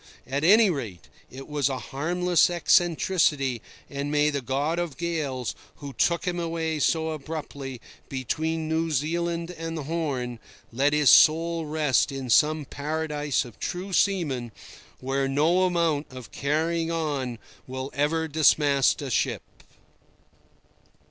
At any rate, it was a harmless eccentricity, and may the god of gales, who took him away so abruptly between New Zealand and the Horn, let his soul rest in some Paradise of true seamen, where no amount of carrying on will ever dismast a ship!